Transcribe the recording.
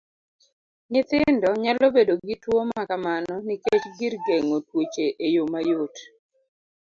Nyithindo nyalo bedo gi tuwo makamano nikech gir geng'o tuoche eyo mayot.